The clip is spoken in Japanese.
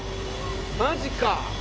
マジか。